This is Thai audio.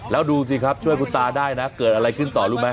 แล้วดูสิครับช่วยคุณตาได้นะเกิดอะไรขึ้นต่อรู้ไหม